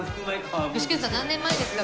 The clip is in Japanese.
具志堅さん何年前ですか？